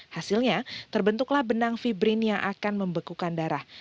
hasilnya terbentuklah benang fibrin yang akan membekukan darah